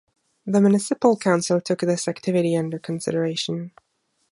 The municipal council took this activity under consideration.